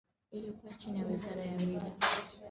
Ilikuwa chini ya Wizara ya Mila Utamaduni na Michezo